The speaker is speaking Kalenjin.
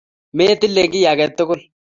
Metile kiy age tugul